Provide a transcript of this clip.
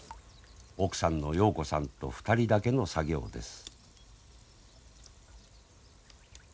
奥さんのようこさんと２人だけの作業です。